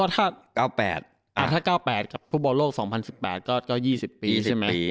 ถ้า๙๘กับผู้บอกโลก๒๐๑๘ก็๒๐ปีใช่ไหม